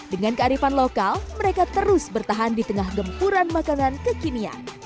dengan kearifan lokal mereka terus bertahan di tengah gempuran makanan kekinian